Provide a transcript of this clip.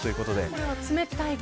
これは冷たい風。